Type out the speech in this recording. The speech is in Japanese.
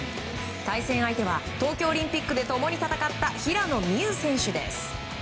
対戦相手は、東京オリンピックで共に戦った平野美宇選手です。